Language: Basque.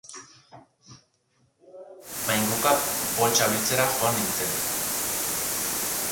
Mainguka, poltsa biltzera joan nintzen.